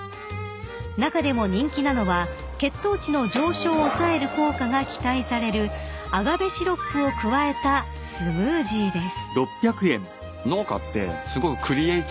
［中でも人気なのは血糖値の上昇を抑える効果が期待されるアガベシロップを加えたスムージーです］